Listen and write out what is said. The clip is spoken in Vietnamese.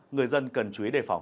người dân cần chú ý đề phòng